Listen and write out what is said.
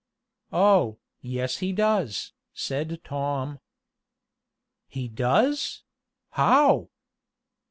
"Oh, yes he does," said Tom. "He does? How?"